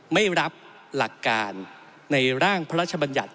ไม่รับหลักการในร่างพระราชบัญญัติ